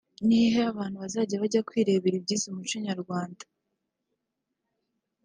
ni hehe abantu bazajya bajya kwirebera ibigize umuco nyarwanda